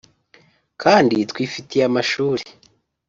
kandi twifitiye amashuri,